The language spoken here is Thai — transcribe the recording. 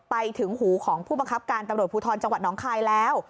ไปถึงหูของผู้บังคับการตำรวจภูทรจังหวัดน้องคายแล้ว